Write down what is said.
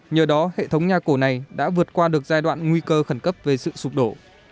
nhờ đó hệ thống nhà cổ này đã vượt qua được giai đoạn nguy cơ khẩn cấp về sự sụp đổ